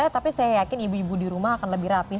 tapi saya yakin ibu ibu di rumah akan lebih rapih